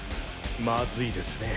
まずいですね。